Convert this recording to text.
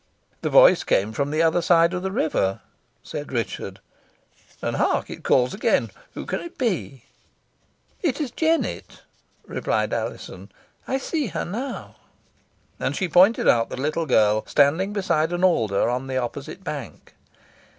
"The voice came from the other side of the river," said Richard "and, hark! it calls again. Who can it be?" "It is Jennet," replied Alizon; "I see her now." And she pointed out the little girl standing beside an alder on the opposite bank.